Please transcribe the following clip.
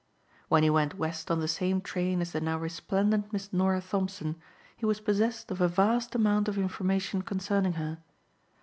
When he went West on the same train as the now resplendent Miss Norah Thompson he was possessed of a vast amount of information concerning her.